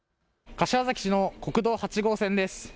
柏崎市の国道８号線です。